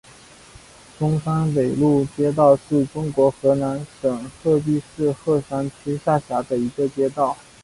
中山北路街道是中国河南省鹤壁市鹤山区下辖的一个街道。